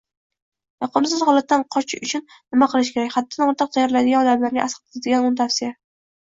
Yoqimsiz holatdan qochish uchun nima qilish kerak? Haddan ortiq terlaydigan odamlarga asqatadigano´ntavsiya